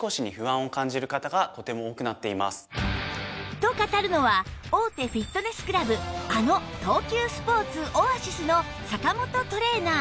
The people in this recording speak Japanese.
と語るのは大手フィットネスクラブあの東急スポーツオアシスの坂本トレーナー